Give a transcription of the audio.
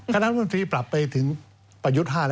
คณะรัฐมนตรีปรับไปถึงประยุทธ์๕๐